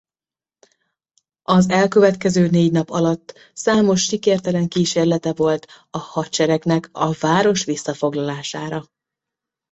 Az elkövetkező négy nap alatt számos sikertelen kísérlete volt a Hadseregnek a város visszafoglalására.